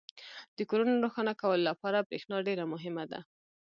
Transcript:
• د کورونو روښانه کولو لپاره برېښنا ډېره مهمه ده.